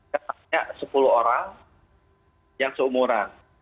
saya tanya sepuluh orang yang seumuran